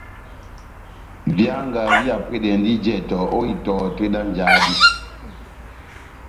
Výanga vihapwedɛndi jɛtɔ ó itɔhɔ tɛ́h dá njáhá dí.